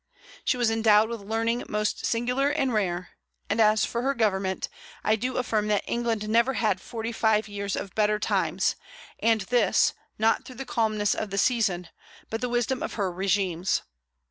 She was endowed with learning most singular and rare; and as for her government, I do affirm that England never had forty five years of better times, and this, not through the calmness of the season, but the wisdom of her regimes.